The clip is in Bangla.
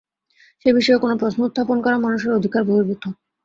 সে-বিষয়ে কোন প্রশ্ন উত্থাপন করা মানুষের অধিকার-বহির্ভূত।